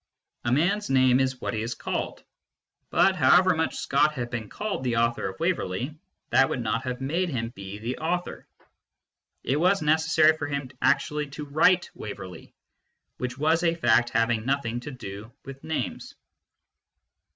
A man s name is what he is called, but however much Scott had been called the author of Waverley, that would not have made him be the author ; it was necessary for him actually to write Waverley, which was a fact having nothing to do with names.